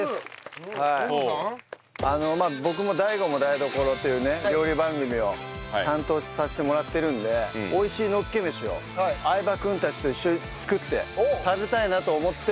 僕も『ＤＡＩＧＯも台所』という料理番組を担当させてもらってるので美味しいのっけ飯を相葉君たちと一緒に作って食べたいなと思って。